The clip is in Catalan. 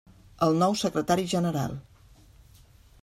El nou secretari general.